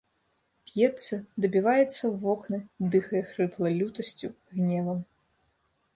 Б'ецца, дабіваецца ў вокны, дыхае хрыпла лютасцю, гневам.